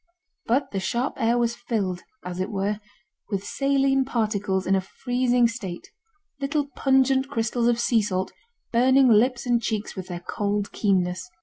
But the sharp air was filled, as it were, with saline particles in a freezing state; little pungent crystals of sea salt burning lips and cheeks with their cold keenness.